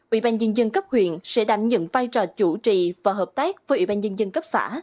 ủy ban nhân dân cấp huyện sẽ đảm nhận vai trò chủ trì và hợp tác với ủy ban nhân dân cấp xã